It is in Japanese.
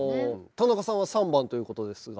田中さんは３番という事ですが。